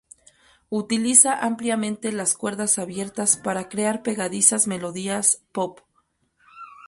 Utiliza ampliamente las cuerdas abiertas para crear pegadizas melodías pop.